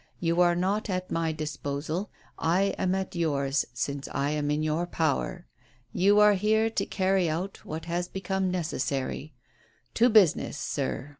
You are not at my disposal ; I am at yours, since I am in your power. You are here to carry out what has become necessary. To business, sir.